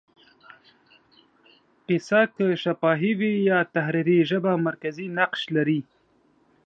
کیسه که شفاهي وي یا تحریري، ژبه مرکزي نقش لري.